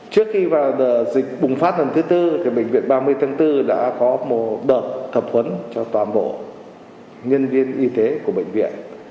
trước khi vào đợt dịch bùng phát lần thứ tư bệnh viện ba mươi tháng bốn đã có một đợt tập huấn cho toàn bộ nhân viên y tế của bệnh viện